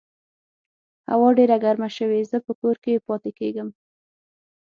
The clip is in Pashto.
هوا ډېره ګرمه شوې، زه په کور کې پاتې کیږم